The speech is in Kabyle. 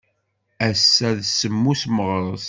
Ass-a d semmus Meɣres.